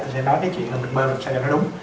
tôi sẽ nói cái chuyện là mình bơm làm sao cho nó đúng